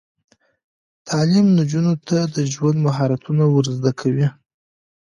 تعلیم نجونو ته د ژوند مهارتونه ور زده کوي.